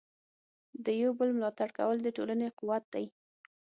د یو بل ملاتړ کول د ټولنې قوت دی.